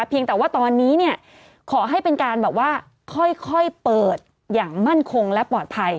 เพียงแต่ว่าตอนนี้เนี่ยขอให้เป็นการแบบว่าค่อยเปิดอย่างมั่นคงและปลอดภัย